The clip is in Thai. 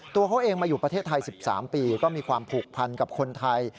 ตัวเขาเองมาอยู่ประเทศไทย๑๓ปีก็มีความผูกพันกับคนไทย